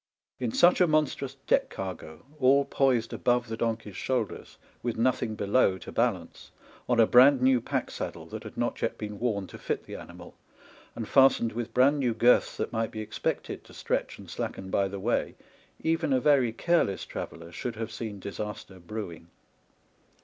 In such a monstrous deck cargo, all poised above the donkey's shoulders, with nothing below to balance, on a brand new pack saddle that had not yet been worn to fit the animal, and fas tened with brand new girths that might be expected to stretch and slacken by the way, even a very careless traveller should have seen disaster brewing.